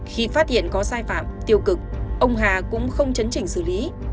khi phát hiện có sai phạm tiêu cực ông hà cũng không chấn chỉnh xử lý